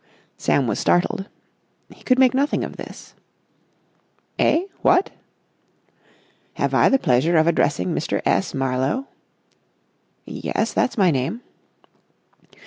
Sam was startled. He could making nothing of this. "Eh? What?" "Have I the pleasure of addressing Mr. S. Marlowe?" "Yes, that's my name."